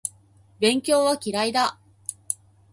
勉強は嫌いだ